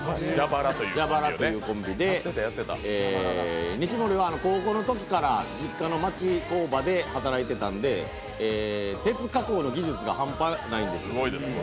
蛇腹というコンビで西森は高校のときから実家の町工場で働いていたので、鉄加工の技術が半端ないんです。